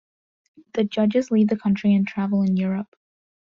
The judges leave the country and travel in Europe.